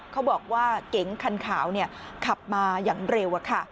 เขาบอกว่าเก๋งคันขาวขับมาอย่างเร็ว